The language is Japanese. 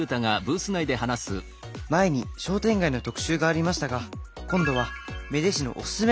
「前に商店街の特集がありましたが今度は芽出市のおススメ